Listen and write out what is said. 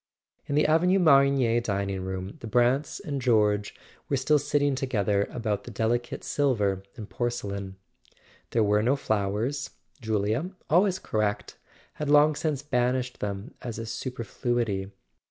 In the Avenue Marigny dining room the Brants and George were still sitting together about the deli¬ cate silver and porcelain. There were no flowers: Julia, always correct, had long since banished them as a super¬ fluity.